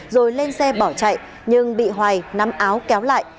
rồi lên xe bỏ chạy nhưng bị hoài nắm áo kéo lại